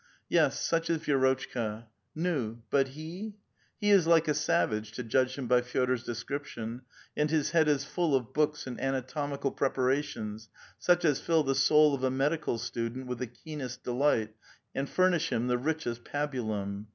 Yes, such is Vi6rotchka. Nu! but he? He is like a savage, to judge him by Fe6dor's description, and his head is full of books and anatomical preparations, such as fill the soul of a medical student with the keenest delight and furnish him the richest pabulum.